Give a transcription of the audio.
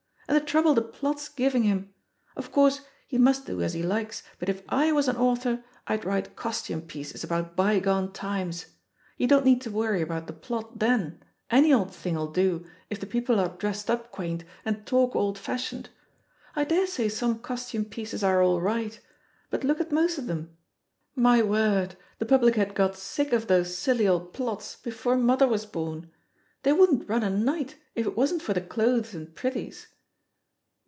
And the trouble the plot's giving him I Of course, he must do as he likes, but if I was an author, I'd write costume pieces about bygone times — ^you don't need to about the plot then, any old thing'll do if it 62 THE POSITION OF PEGGY HARPER the people are dressed up quaint and talk old fashioned. I daresay some costume pieces are all right, but look at most of 'em — ^my word, the public had got sick of those silly old plots before mother was born I They wouldn't run a night if it wasn't for the clothes and 'prithees.